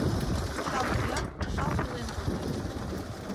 Шалт йӱат — шалт илен колтет...